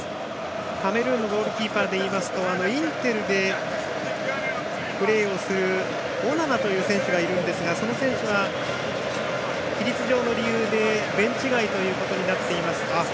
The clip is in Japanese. カメルーンのゴールキーパーでいいますとインテルでプレーするオナナという選手がいますがその選手は規律上の理由でベンチ外となっています。